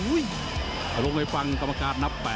เอารุมไอนุ่ยฟังกรรมการณ์นับ๘